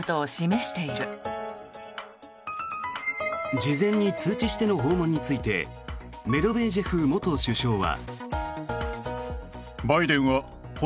事前に通知しての訪問についてメドベージェフ元首相は。